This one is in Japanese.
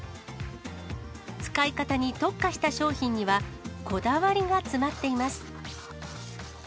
使い方に特化した商品には、こだわりが詰まっています。